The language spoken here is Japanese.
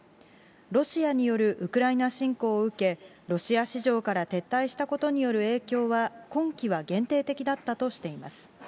ロシアによるウクライナ侵攻を受け、ロシア市場から撤退したことによる影響は今期は限定的だったとしています。